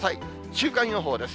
週間予報です。